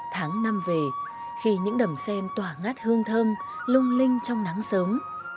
tháng năm về khi những đầm sen tỏa ngát hương thơm lung linh trong nắng sớm